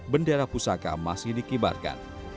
bendera pusaka masih dikibarkan